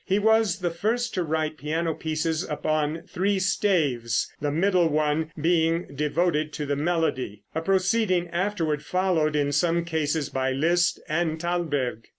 He was the first to write piano pieces upon three staves, the middle one being devoted to the melody; a proceeding afterward followed in some cases by Liszt and Thalberg.